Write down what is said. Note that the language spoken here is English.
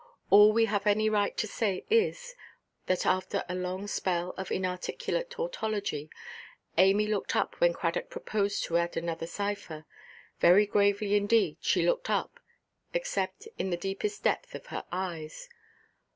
All we have any right to say is, that after a long spell of inarticulate tautology, Amy looked up when Cradock proposed to add another cipher; very gravely, indeed, she looked up; except in the deepest depth of her eyes.